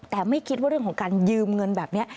แต่ไม่คิดว่าเรื่องของการยืมเงินแบบนี้